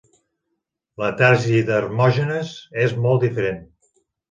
La tesi d'Hermògenes és molt diferent.